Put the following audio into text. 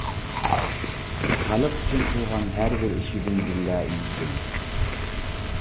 خەلق ئۈچۈن قىلغان ھەر بىر ئىشىدىن گۈللەر ئۈنسۇن.